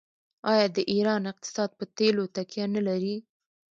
آیا د ایران اقتصاد په تیلو تکیه نلري؟